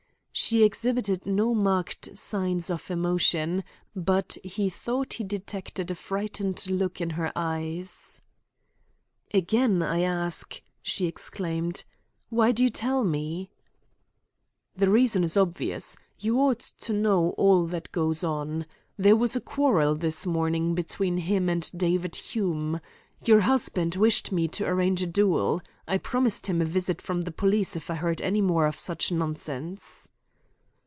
She exhibited no marked sign of emotion but he thought he detected a frightened look in her eyes. "Again I ask," she exclaimed, "why do you tell me?" "The reason is obvious. You ought to know all that goes on. There was a quarrel this morning between him and David Hume. Your husband wished me to arrange a duel. I promised him a visit from the police if I heard any more of such nonsense."